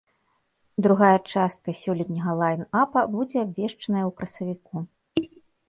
Другая частка сёлетняга лайн-апа будзе абвешчаная ў красавіку.